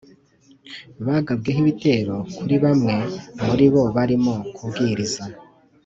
Bagabwe ho ibitero kuri bamwe muri bo barimo kubwiriza